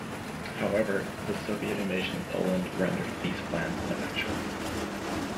However, the Soviet invasion of Poland rendered these plans ineffectual.